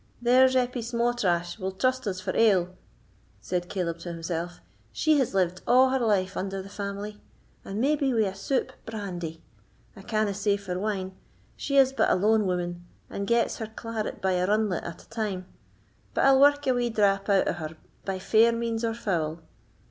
"There's Eppie Sma'trash will trust us for ale," said Caleb to himself—"she has lived a' her life under the family—and maybe wi' a soup brandy; I canna say for wine—she is but a lone woman, and gets her claret by a runlet at a time; but I'll work a wee drap out o' her by fair means or foul.